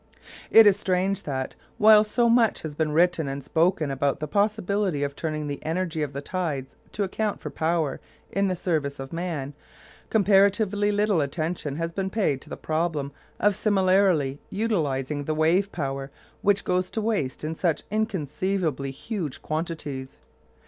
It is strange that, while so much has been written and spoken about the possibility of turning the energy of the tides to account for power in the service of man, comparatively little attention has been paid to the problem of similarly utilising the wave power, which goes to waste in such inconceivably huge quantities.